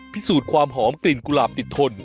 พิสูจน์ความหอมกลิ่นกุหลาบติดทน